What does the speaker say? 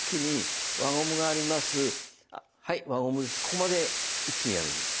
ここまで一気にやるんです。